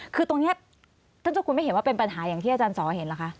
คือตรงนี้ท่านเจ้าคุณไม่เห็นว่าเป็นปัญหาอย่างที่อาจารย์สอเห็นเหรอคะ